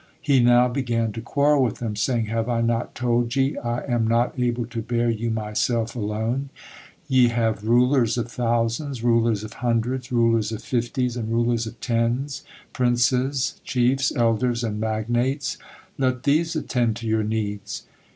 He now began to quarrel with them, saying, "Have I not told ye, 'I am not able to bear you myself alone'? Ye have rulers of thousands, rulers of hundreds, rulers of fifties, and rulers of tens, princes, chiefs, elders, and magnates, let these attend to your needs."